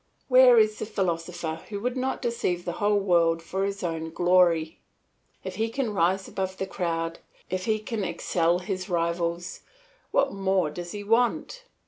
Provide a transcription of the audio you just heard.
Where is the philosopher who would not deceive the whole world for his own glory? If he can rise above the crowd, if he can excel his rivals, what more does he want?